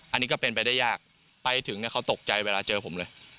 อันนี้ก็เป็นไปได้ยากไปถึงเขาตกใจเวลาเจอผมเลย